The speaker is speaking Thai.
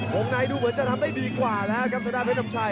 วงในดูเหมือนจะทำได้ดีกว่านะครับสดานแพทย์น้ำชัย